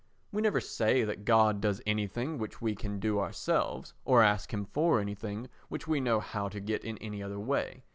We never say that God does anything which we can do ourselves, or ask him for anything which we know how to get in any other way.